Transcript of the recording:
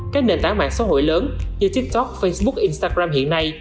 các nền tảng mạng xã hội lớn như tiktok facebook instagram hiện nay